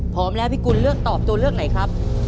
พร้อมแล้วพี่กุลเลือกตอบตัวเลือกไหนครับ